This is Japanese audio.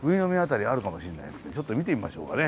ちょっと見てみましょうかね。